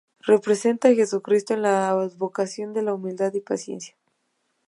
Representa a Jesucristo en la advocación de la humildad y paciencia.